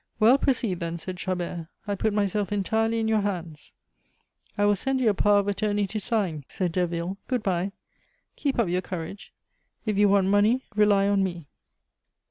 "Well, proceed then," said Chabert. "I put myself entirely in your hands." "I will send you a power of attorney to sign," said Derville. "Good bye. Keep up your courage. If you want money, rely on me."